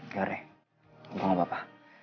gak deh gue gak apa apa